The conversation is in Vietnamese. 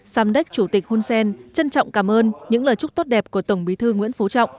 samdek chủ tịch hun sen trân trọng cảm ơn những lời chúc tốt đẹp của tổng bí thư nguyễn phú trọng